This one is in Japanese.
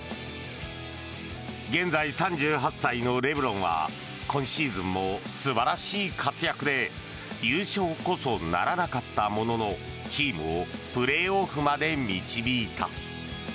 現在３８歳のレブロンは今シーズンも素晴らしい活躍で優勝こそならなかったもののチームをプレーオフまで導いた。